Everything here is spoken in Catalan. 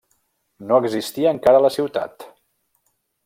No existia encara la ciutat.